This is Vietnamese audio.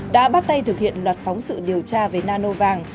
đã bắt tay thực hiện loạt phóng sự điều tra về nano vàng